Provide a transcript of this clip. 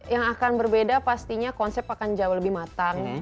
yang akan berbeda pastinya konsep akan jauh lebih matang